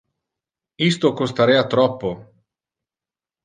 Isto costarea troppo.